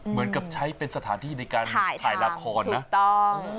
เหมือนกับใช้เป็นสถานที่ในการถ่ายละครนะถูกต้อง